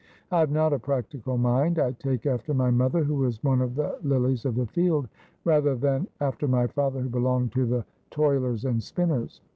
I have not a practical mind. I take after my mother, who was one of the lilies of the field, rather than after my father, who belonged to the toilers and spinntrs.